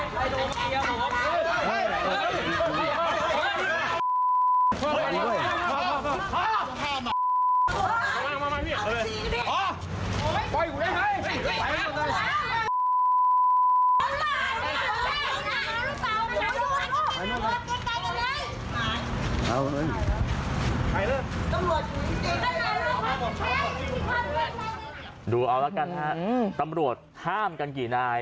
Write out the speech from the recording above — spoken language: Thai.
ประเทศสนิทพ่อมีใครได้ฟังละครับดูแล้วกันแล้วกันฮะตำรวจห้ามกันกี่นาย